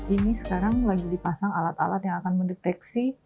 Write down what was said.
ini sekarang lagi dipasang alat alat yang akan mendeteksi